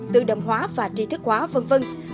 tự động hóa và tri thức hóa vân vân